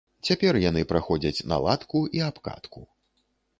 Цяпер яны праходзяць наладку і абкатку.